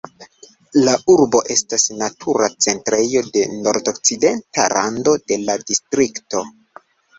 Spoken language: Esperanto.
La urbo estas natura centrejo de nordokcidenta rando de la distrikto.